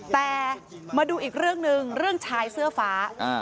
แต่มาดูอีกเรื่องหนึ่งเรื่องชายเสื้อฟ้า